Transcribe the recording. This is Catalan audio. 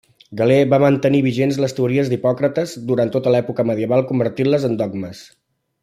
Galè va mantenir vigents les teories d'Hipòcrates durant tota l'època medieval convertint-les en dogmes.